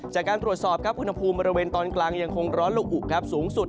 จากการตรวจสอบครับอุณหภูมิบริเวณตอนกลางยังคงร้อนละอุครับสูงสุด